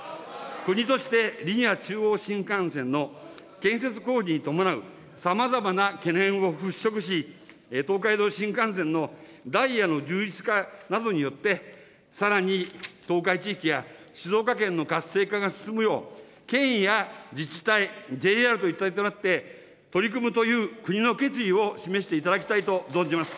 国としてリニア中央新幹線の建設工事に伴うさまざまな懸念を払拭し、東海道新幹線のダイヤの充実化などによって、さらに東海地域や静岡県の活性化が進むよう、県や自治体、ＪＲと一体となって取り組むという国の決意を示していただきたいと存じます。